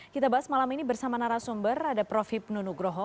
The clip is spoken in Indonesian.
kita bahas malam ini bersama narasumber ada prof hipnu nugroho